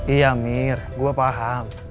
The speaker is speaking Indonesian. iya mir gue paham